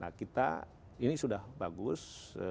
nah kita ini sudah bagus